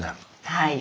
はい。